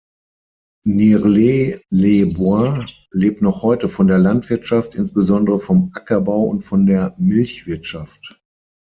Nierlet-les-Bois lebt noch heute von der Landwirtschaft, insbesondere vom Ackerbau und von der Milchwirtschaft.